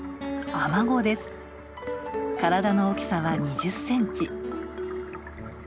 体の大きさは２０センチ。